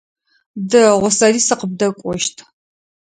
Дэгъу, сэри сыкъыбдэкӏощт.